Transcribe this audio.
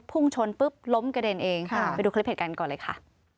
พุ่งชนปุ๊บล้มกระเด็นเองไปดูคลิปเหตุการณ์ก่อนเลยค่ะ